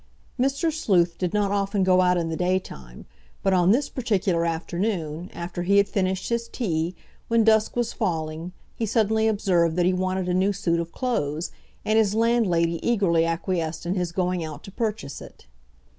Mr. Sleuth did not often go out in the daytime, but on this particular afternoon, after he had finished his tea, when dusk was falling, he suddenly observed that he wanted a new suit of clothes, and his landlady eagerly acquiesced in his going out to purchase it.